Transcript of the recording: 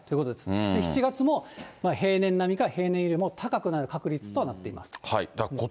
７月も平年並みか平年よりも高くなる確率となっています。